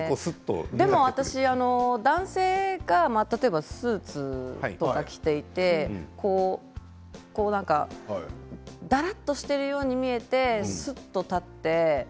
でも私、男性が例えばスーツ着ていてだらっとしているように見えてすっと立っている。